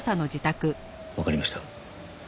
わかりました。